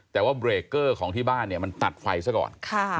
แต่ว่าเบรคเกอร์ของที่บ้านตัดไฟซะก่อน